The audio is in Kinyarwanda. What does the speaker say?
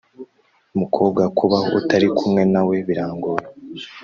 mukobwa, kubaho utari kumwe nawe birangoye